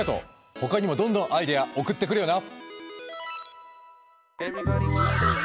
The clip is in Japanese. ほかにもどんどんアイデア送ってくれよな。